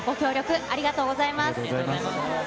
ありがとうございます。